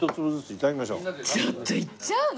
ちょっといっちゃうの？